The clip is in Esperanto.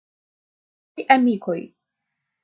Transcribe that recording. Karaj amikoj!